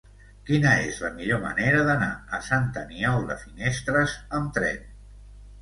Quina és la millor manera d'anar a Sant Aniol de Finestres amb tren?